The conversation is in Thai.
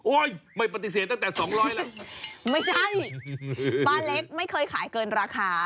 ไม่ปฏิเสธตั้งแต่สองร้อยเลยไม่ใช่ป้าเล็กไม่เคยขายเกินราคา